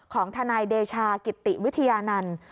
ของทนายเดชากิติวิทยานันต์